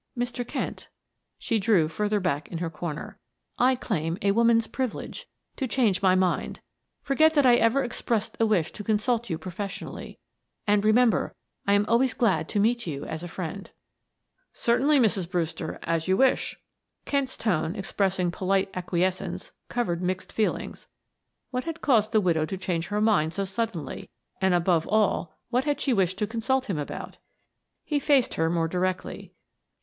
"Mr. Kent," she drew further back in her corner. "I claim a woman's privilege to change my mind. Forget that I ever expressed a wish to consult you professionally, and remember, I am always glad to meet you as a friend." "Certainly, Mrs. Brewster, as you wish." Kent's tone, expressing polite acquiescence, covered mixed feelings. What had caused the widow to change her mind so suddenly, and above all, what had she wished to consult him about? He faced her more directly.